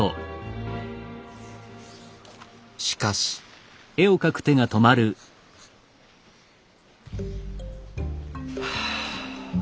しかし。はあ。